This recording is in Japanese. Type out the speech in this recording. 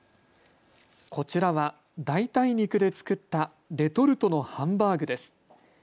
こちらは代替肉で作ったレトルトのハンバーグです。